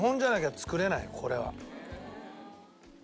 これは。